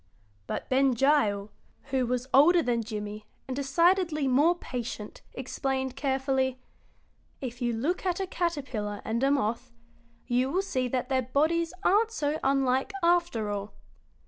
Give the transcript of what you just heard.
But Ben Gile, who was older than Jimmie and decidedly more patient, explained, carefully: "If you look at a caterpillar and a moth you will see that their bodies aren't so unlike, after all.